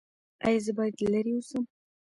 ایا زه باید لرې اوسم؟